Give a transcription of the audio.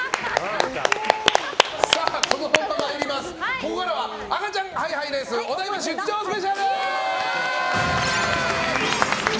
ここからは赤ちゃんハイハイレースお台場出張ＳＰ！